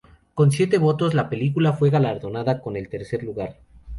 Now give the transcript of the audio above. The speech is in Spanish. Con siete votos, la película fue galardonada con el tercer lugar.